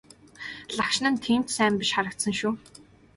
Лагшин нь тийм ч сайн биш харагдсан шүү.